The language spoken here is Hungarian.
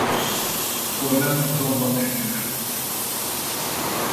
Corden azonban megnősült.